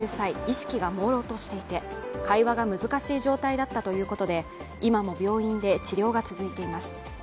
警察によりますと、仲本さんは病院に運ばれる際、意識がもうろうとしていて、会話が難しい状態だったということで今も、病院で治療が続いています。